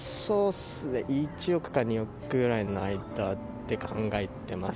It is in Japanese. １億か２億ぐらいの間で考えてます。